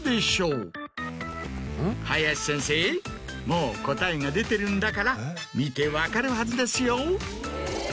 もう答えが出てるんだから見て分かるはずですよ。